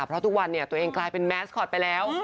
เพราะทุกวันเนี่ยตัวเองกลายเป็นแมสคอตไปแล้ว